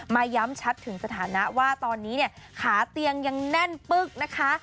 ย้ำชัดถึงสถานะว่าตอนนี้เนี่ยขาเตียงยังแน่นปึ๊กนะคะ